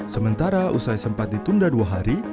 sementara usai sempat ditunda dua hari